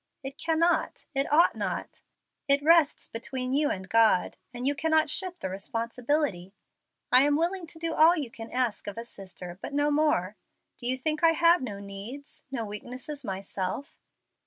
It cannot it ought not. It rests between you and God, and you cannot shift the responsibility. I am willing to do all you can ask of a sister, but no more. Do you think I have no needs, no weakness, myself?